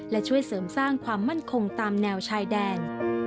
และช่วยเสริมสร้างความมั่นคงตามแนวชายแดน